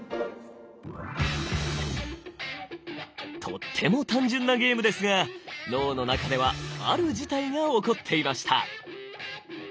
とっても単純なゲームですが脳の中ではある事態が起こっていました！